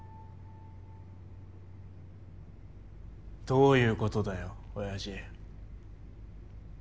どういうことだよ親父。